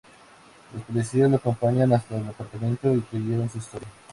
Los policías los acompañaron hasta el apartamento y creyeron su historia.